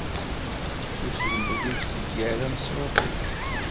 S uselmed i d-teggar ameṣruf-is.